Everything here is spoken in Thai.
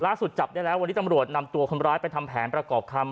จับได้แล้ววันนี้ตำรวจนำตัวคนร้ายไปทำแผนประกอบคำ